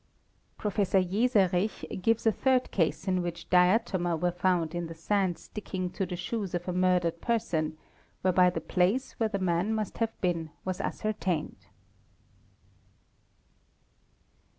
Prof. Jeserich®® gives a third case in which diatoma were found in the sand sticking to the shoes of a murdered person, whereby the place where the man must have been was ascertained.